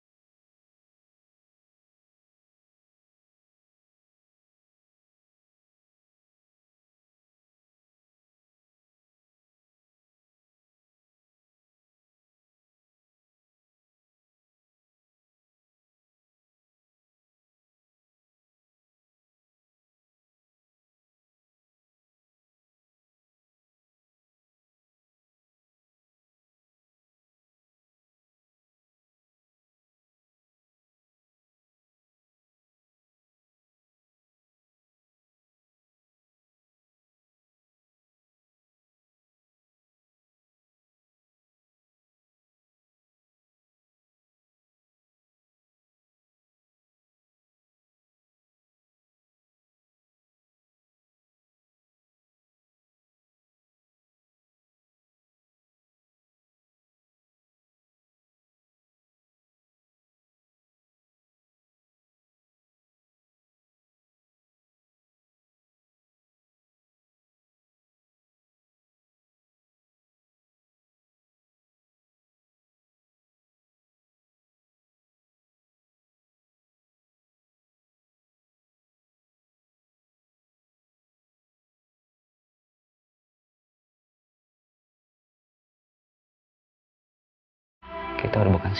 bener kita nembur lari